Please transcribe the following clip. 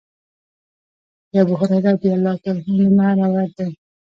د ابوهريره رضی الله عنه نه روايت دی :